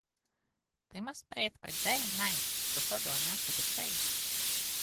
They must bathe by day and night before going out to the chase.